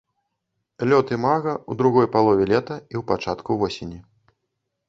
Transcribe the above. Лёт імага ў другой палове лета і ў пачатку восені.